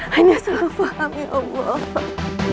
hanya salah faham ya allah